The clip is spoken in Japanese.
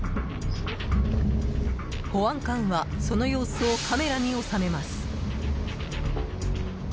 保安官はその様子をカメラに収めます。